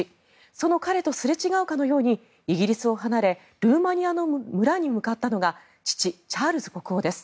その彼とすれ違うかのようにイギリスを離れルーマニアの村に向かったのが父・チャールズ国王です。